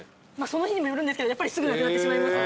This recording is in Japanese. その日にもよるんですけどすぐなくなってしまいますね。